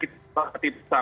kita diberikan suksesnya